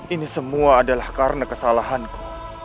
ini semua adalah karena kesalahanku